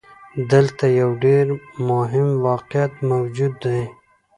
دلته يو ډېر مهم واقعيت موجود دی.